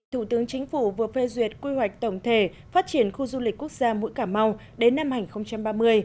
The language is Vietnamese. thủ tướng chính phủ vừa phê duyệt quy hoạch tổng thể phát triển khu du lịch quốc gia mũi cà mau đến năm hai nghìn ba mươi